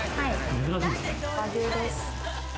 和牛です。